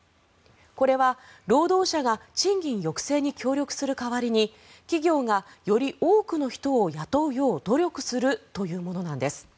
これは、労働者が賃金抑制に協力する代わりに企業が、より多くの人を雇うよう努力するというものなんです。